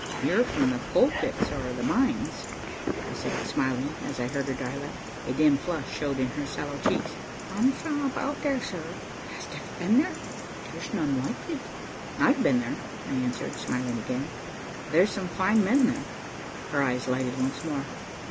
"You're from the Coal pits or the Mines," I said, smiling as I heard her dialect. A dim flush showed in her sallow cheek. "I'm fra about there, sir. Hast ever been there? There's none like it." "I've been there," I answered, smiling again. "There's some fine men there." Her eyes lighted once more.